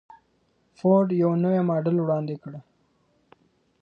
فورډ یو نوی ماډل وړاندې کړ.